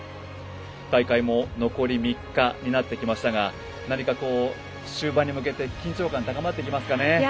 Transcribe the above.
大会も残り３日になってきましたが何か終盤に向けて緊張感高まってきますかね。